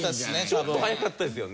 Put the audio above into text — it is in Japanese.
ちょっと早かったですよね。